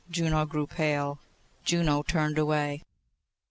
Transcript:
Juno grew pale. Juno turned away.